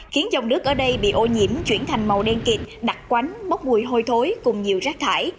khiến dòng nước ở đây bị ô nhiễm chuyển thành màu đen kịt đặc quánh bốc mùi hôi thối cùng nhiều rác thải